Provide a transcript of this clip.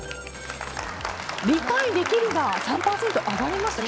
理解できるが３％上がりました。